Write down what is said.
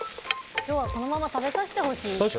このまま食べさせてほしい。